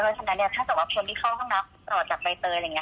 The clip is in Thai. เพราะฉะนั้นถ้าสมมติว่าเชิญที่เข้าห้องน้ำต่อจากใบเตย